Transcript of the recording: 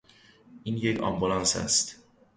این یک آمبولانس است.